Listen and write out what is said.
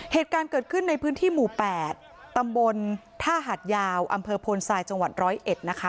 เหตุการณ์เกิดขึ้นในพื้นที่หมู่๘ตำบลท่าหาดยาวอำเภอโพนทรายจังหวัดร้อยเอ็ดนะคะ